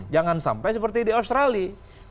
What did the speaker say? jangan sampai seperti di australia